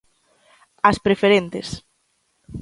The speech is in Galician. As preferentes.